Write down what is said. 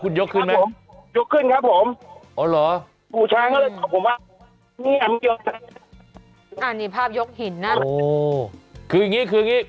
คุณยกขึ้นไหมครับผมยกขึ้นครับผมอ๋อเหรอผู้ช้างก็เลยตอบผมว่าอันนี้ภาพยกหินนะโอ้คืออย่างงี้คืออย่างงี้